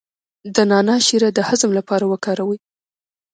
د نعناع شیره د هضم لپاره وکاروئ